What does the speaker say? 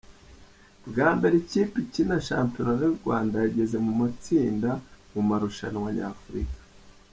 Bwa mbere ikipe ikina Shampiona y’u Rwanda yageze mu matsinda mu marushanwa nyafurika.